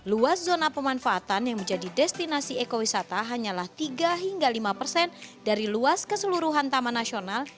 luas zona pemanfaatan yang menjadi destinasi ekowisata hanyalah tiga hingga lima persen dari luas keseluruhan taman nasional